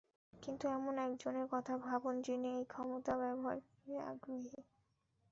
কিন্তু এমন একজনের কথা ভাবুন, যিনি এই ক্ষমতা ব্যবহারে আগ্রহী।